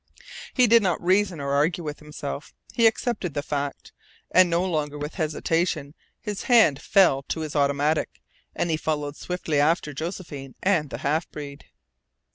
He did not reason or argue with himself. He accepted the fact. And no longer with hesitation his hand fell to his automatic, and he followed swiftly after Josephine and the half breed.